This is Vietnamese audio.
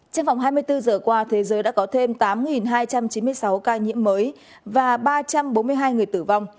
trong vòng hai mươi bốn giờ qua thế giới đã có thêm tám hai trăm chín mươi sáu ca nhiễm mới và ba trăm bốn mươi hai người tử vong